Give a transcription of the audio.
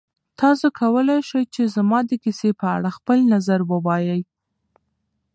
تاسو کولی شئ چې زما د کیسې په اړه خپل نظر ووایئ.